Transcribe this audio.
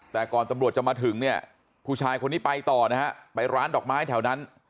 แต่ก่อนตำรวจจะมาถึงเนี่ยผู้ชายคนนี้ไปต่อนะฮะไปร้านดอกไม้แถวนั้น